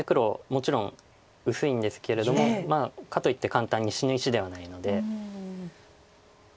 もちろん薄いんですけれどもかといって簡単に死ぬ石ではないので。